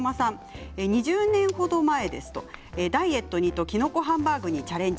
２０年ほど前ダイエットにときのこハンバーグにチャレンジ。